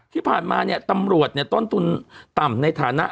ที่ผ่านมาเนี่ยตำรวจต้นทุนต่ำในฐานะ